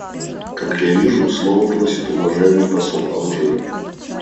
Как я вижу, слова просит уважаемый посол Алжира.